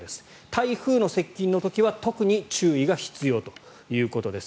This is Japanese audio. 台風の接近の時は特に注意が必要ということです。